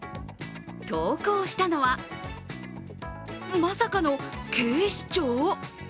投稿したのは、まさかの警視庁？